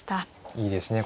いいですね